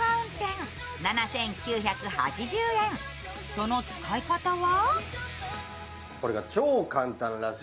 その使い方は？